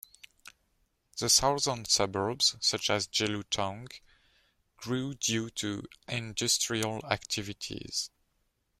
The southern suburbs, such as Jelutong, grew due to industrial activities.